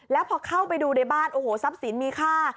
แล้วพอเข้าไปดูในบ้านโอ้โหทรัพย์สินมีค่า